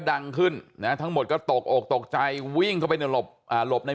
ดังขึ้นนะทั้งหมดก็ตกอกตกใจวิ่งเข้าไปในหลบอ่าหลบใน